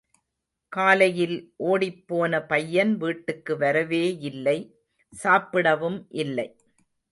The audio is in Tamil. காலையில் ஒடிப்போன பையன் வீட்டுக்கு வரவேயில்லை, சாப்பிடவும் இல்லை.